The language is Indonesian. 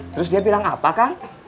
terus dia bilang apa kan